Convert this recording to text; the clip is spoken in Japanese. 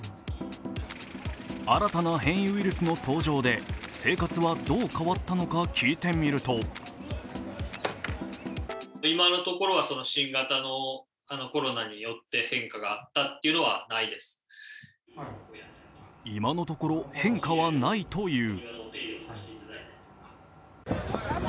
新たな変異ウイルスの登場で、生活はどう変わったのか聞いてみると今のところ変化はないという。